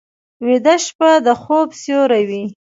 ویده شپه د خوب سیوری وي